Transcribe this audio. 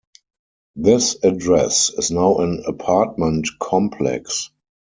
This address is now an apartment complex.